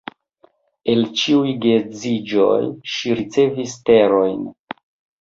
El ĉiuj geedziĝoj, ŝi ricevis terojn.